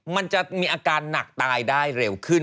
มันจะมีอาการหนักตายได้เร็วขึ้น